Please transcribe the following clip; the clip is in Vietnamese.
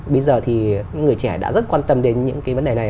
bây giờ thì những người trẻ đã rất quan tâm đến những cái vấn đề này